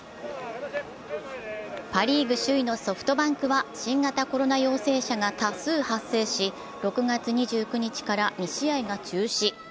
パ・リーグ首位のソフトバンクは新型コロナ陽性者が多数発生し、６月２９日から２試合が中止。